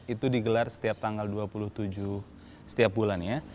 itu digelar setiap tanggal dua puluh tujuh setiap bulan ya